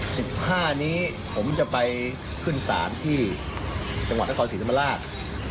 สิบห้านี้ผมจะไปขึ้นศาลที่จังหวัดนครศรีธรรมราช